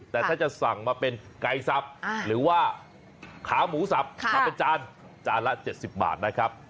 แต่ถ้าจะสั่งมาเป็นไก่สับหรือว่าขาหมูสับมาเป็นจานจานละ๗๐บาทนะครับ